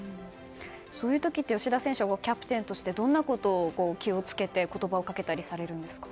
そういう時って吉田選手はキャプテンとしてどんなことに気を付けて言葉をかけたりされるんですか？